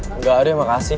enggak deh makasih